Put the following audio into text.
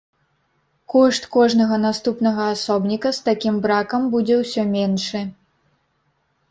Кошт кожнага наступнага асобніка з такім бракам будзе ўсё меншы.